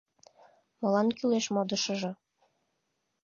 Молан кӱлеш модышыжо